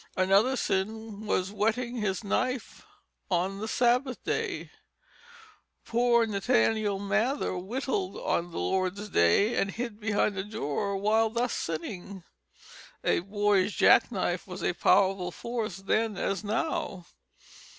Another sin was whetting his knife on the Sabbath day. Poor Nathaniel Mather whittled on the Lord's day and hid behind the door while thus sinning. A boy's jack knife was a powerful force then as now.